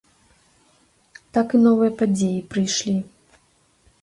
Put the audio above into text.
Так і новыя падзеі прыйшлі.